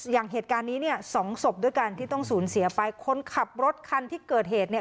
อย่างเหตุการณ์นี้เนี่ยสองศพด้วยกันที่ต้องสูญเสียไปคนขับรถคันที่เกิดเหตุเนี่ย